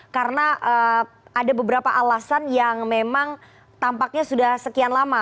karena ada beberapa alasan yang memang tampaknya sudah sekian lama